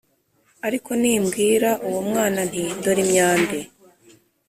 Ariko nimbwira uwo mwana nti dore imyambi